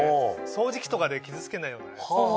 掃除機とかで傷付けないようなやつ。